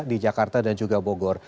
di jakarta dan juga bogor